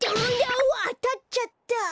うわっあたっちゃった。